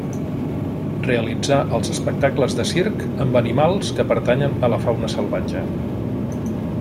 Realitzar els espectacles de circ amb animals que pertanyen a la fauna salvatge.